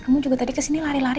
kamu juga tadi kesini lari lari